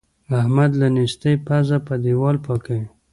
احمد له نېستۍ پزه په دېوال پاکوي.